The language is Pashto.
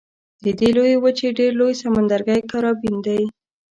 د دې لویې وچې ډېر لوی سمندرګی کارابین دی.